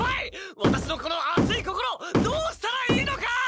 ワタシのこの熱い心どうしたらいいのか！